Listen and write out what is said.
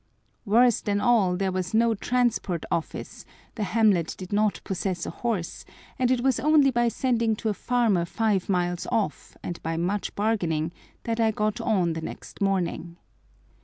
Worse than all, there was no Transport Office, the hamlet did not possess a horse, and it was only by sending to a farmer five miles off, and by much bargaining, that I got on the next morning.